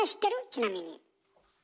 ちなみに。